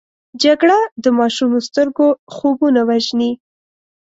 جګړه د ماشومو سترګو خوبونه وژني